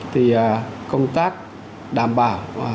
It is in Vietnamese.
thì công tác đảm bảo